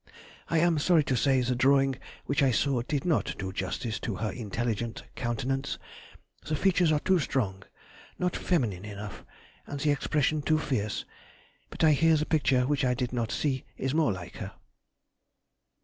I am sorry to say the drawing which I saw did not do justice to her intelligent countenance; the features are too strong, not feminine enough, and the expression too fierce; but I hear the picture which I did not see is more like her.